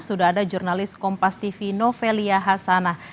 sudah ada jurnalis kompas tv novelia hasanah